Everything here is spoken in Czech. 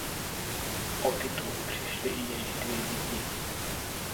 O titul přišly i jejich dvě děti.